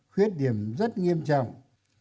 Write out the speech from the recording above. khuyết điểm rất nghiêm trọng